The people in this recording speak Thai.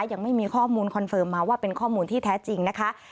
ยังไม่มีข้อมูลคอนเฟิร์มมาว่าเป็นข้อมูลที่แท้จริงนะคะ